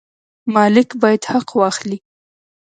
مالک باید حق واخلي.